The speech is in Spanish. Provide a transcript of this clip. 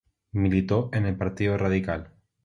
Militó en el Partido Radical.